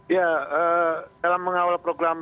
ya dalam mengawal program